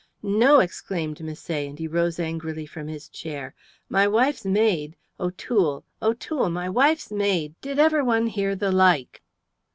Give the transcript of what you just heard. "No!" exclaimed Misset, and he rose angrily from his chair. "My wife's maid O'Toole O'Toole my wife's maid. Did ever one hear the like?"